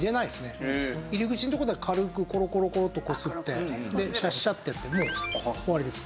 入り口のとこだけ軽くコロコロコロとこすってでシャッシャッてやってもう終わりです。